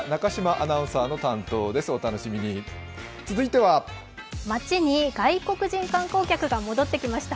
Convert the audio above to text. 続いては、街に外国人観光客が戻ってきました。